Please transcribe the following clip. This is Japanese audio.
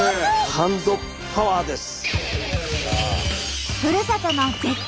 ハンドパワーです！